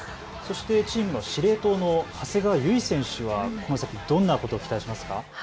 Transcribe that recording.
そしてチームの司令塔の長谷川唯選手にはこの先どんなことを期待しますか？